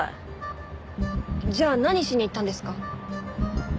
じゃあ何しに行ったんですか？